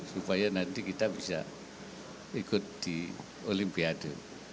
supaya nanti kita bisa ikut di olimpiade